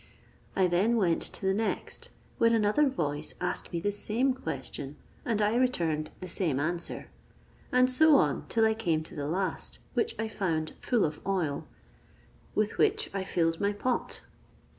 I then went to the next, when another voice asked me the same question, and I returned the same answer; and so on, till I came to the last, which I found full of oil; with which I filled my pot.